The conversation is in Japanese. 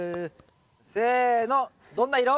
せのどんな色？